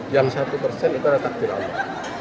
yang satu persen itu adalah takdir allah